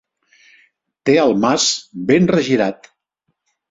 Té el mas ben regirat.